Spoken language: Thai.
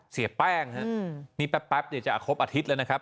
เสียแป้งฮะนี่แป๊บเดี๋ยวจะครบอาทิตย์แล้วนะครับ